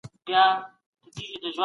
سیاسي بندیان بهر ته د سفر ازادي نه لري.